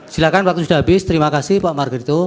silakan waktu sudah habis terima kasih pak margerito